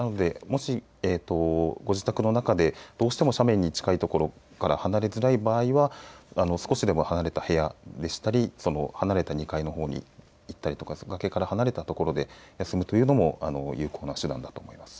なので、もしご自宅の中でどうしても斜面に近い所から離れづらい場合は少しでも離れた部屋でしたり離れた２階のほうに行ったりとか崖から離れた所で休むというのも有効な手段だと思います。